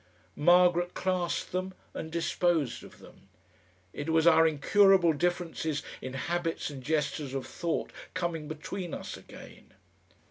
Margaret classed them and disposed of them. It was our incurable differences in habits and gestures of thought coming between us again.